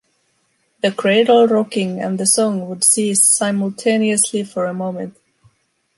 The cradle-rocking and the song would cease simultaneously for a moment.